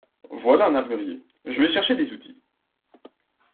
Voilà un armurier, je vais chercher des outils…